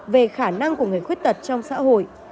về khả năng của người khuyết tật trong xã hội